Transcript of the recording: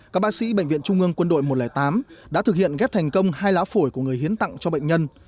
các bác sĩ bệnh viện trung ương quân đội một trăm linh tám đã thực hiện ghép thành công hai lá phổi của người hiến tặng cho bệnh nhân